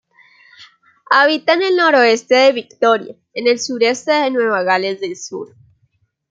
Habita en el noreste de Victoria y el sureste de Nueva Gales del Sur.